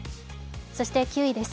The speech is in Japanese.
そして９位です。